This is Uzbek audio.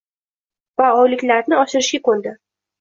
va oyliklarni oshirishga ko‘ndi.